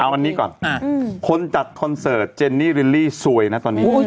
เอาอันนี้ก่อนคนจัดคอนเสิร์ตเจนนี่ลิลลี่ซวยนะตอนนี้